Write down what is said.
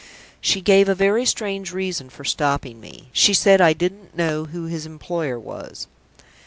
She gave a very strange reason for stopping me. She said I didn't know who his employer was."